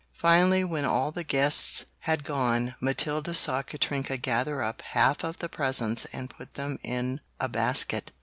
Finally when all the guests had gone, Matilda saw Katrinka gather up half of the presents and put them in a basket.